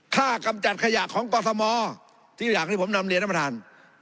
ค่ากำจัดขยะของกฏธมอลที่อย่างที่ผมนำเรียนมาทาน